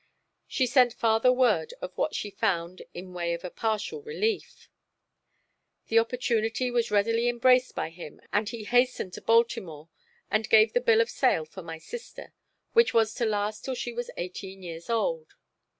She sent father word of what she found in way of a partial relief. The opportunity was readily embraced by him and he hastened to Baltimore and gave the bill of sale for my sister, which was to last till she was eighteen years old.